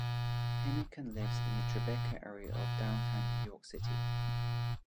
Henican lives in the Tribeca area of downtown New York City.